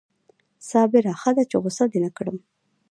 صابره ښه ده چې غصه دې نه کړم